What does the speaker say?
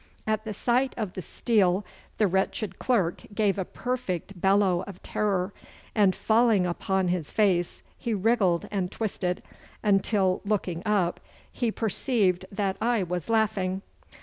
At the sight of the steel the wretched clerk gave a perfect bellow of terror, and falling upon his face he wriggled and twisted, until looking up he perceived that I was laughing.